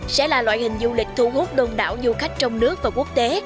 sẽ là loại hình du lịch thu hút đông đảo du khách trong nước và quốc tế